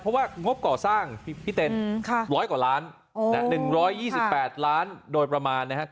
เพราะว่างบก่อสร้างพี่เต้น๑๐๐กว่าล้าน๑๒๘ล้านโดยประมาณนะครับ